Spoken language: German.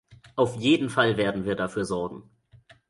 Auf jeden Fall werden wir dafür sorgen.